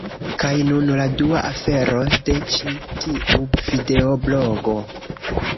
Kaj nun la dua afero, de ĉi tiu videoblogo